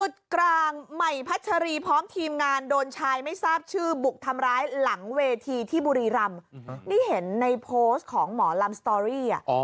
กลางใหม่พัชรีพร้อมทีมงานโดนชายไม่ทราบชื่อบุกทำร้ายหลังเวทีที่บุรีรำนี่เห็นในโพสต์ของหมอลำสตอรี่